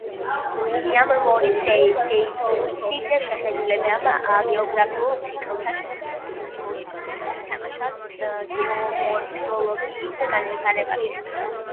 უილიამ მორის დეივისის შეხედულებამ გეოგრაფიულ ციკლთა შესახებ დიდი როლი ითამაშა გეომორფოლოგიის განვითარებაში.